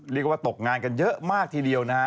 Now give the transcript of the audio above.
เรียกว่าตกงานกันเยอะมากทีเดียวนะฮะ